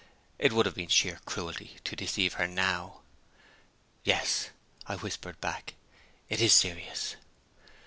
It would have been sheer cruelty to deceive her now. "Yes," I whispered back; "it is serious."